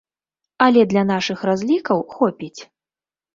Але для нашых разлікаў хопіць.